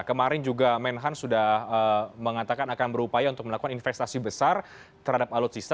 kemarin juga menhan sudah mengatakan akan berupaya untuk melakukan investasi besar terhadap alutsista